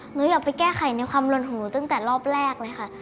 หนูอยากไปแก้ไขในความลนของหนูตั้งแต่รอบแรกเลยค่ะ